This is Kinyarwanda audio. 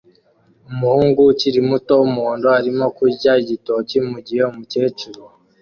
Umuhungu ukiri muto wumuhondo arimo kurya igitoki mugihe umukecuru